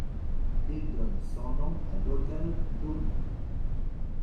Il donne son nom à l'hôtel d'Aumont.